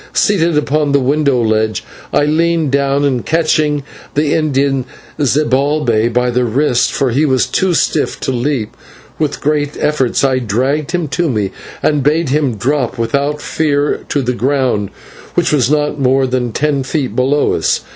Seated upon the window ledge I leaned down, and catching the Indian Zibalbay by the wrists, for he was too stiff to leap, with great efforts I dragged him to me, and bade him drop without fear to the ground, which was not more than ten feet below us.